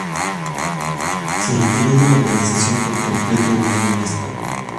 Se retiró de la organización por completo un año más tarde.